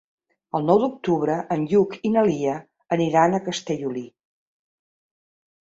El nou d'octubre en Lluc i na Lia aniran a Castellolí.